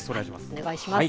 お願いします。